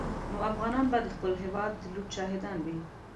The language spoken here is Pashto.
نو افغانان به د خپل هېواد د لوټ شاهدان وي.